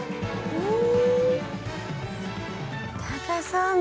うん！